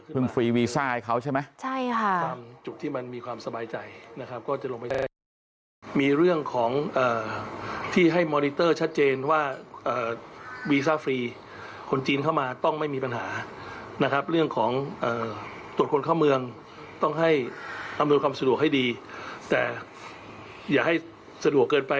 เพิ่งฟรีวีซ่าให้เขาใช่ไหมค่ะ